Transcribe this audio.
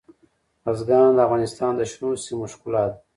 بزګان د افغانستان د شنو سیمو ښکلا ده.